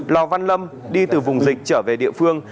lò văn lâm đi từ vùng dịch trở về địa phương